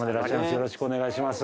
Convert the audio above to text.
よろしくお願いします。